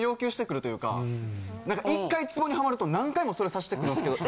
１回ツボにはまると何回もそれさしてくるんですけど。